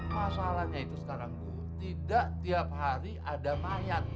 masalahnya itu sekarang bu tidak tiap hari ada mayat